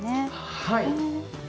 はい。